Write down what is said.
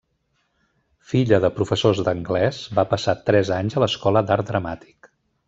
Filla de professors d'anglès, va passar tres anys a l'Escola d'Art Dramàtic.